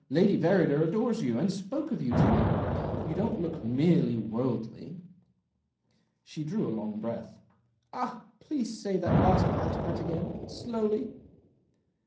Lady Verrider adores you, and spoke of you to me. You don't look merely worldly." She drew a long breath. " Ah ! please say the last part of that again — slowly."